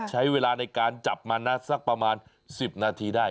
ใช้เวลาในการจับมันนะสักประมาณ๑๐นาทีได้